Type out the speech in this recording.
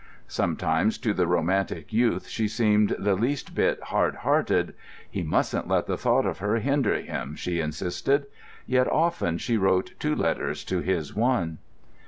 Sometimes to the romantic youth she seemed the least bit hard hearted. He mustn't let the thought of her hinder him, she insisted; yet often she wrote two letters to his one.